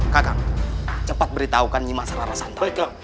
kakang cepat beritahukan nyimak sarara santara